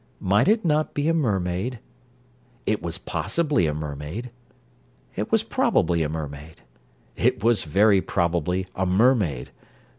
Might it not be a mermaid? It was possibly a mermaid. It was probably a mermaid. It was very probably a mermaid.